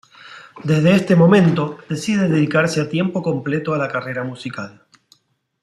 Desde este momento decide dedicarse a tiempo completo a la carrera musical.